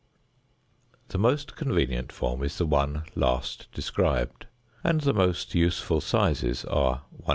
The most convenient form is the one last described, and the most useful sizes are 100 c.